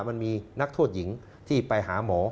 มันมีนักโทษหญิงที่ไปหาหมอ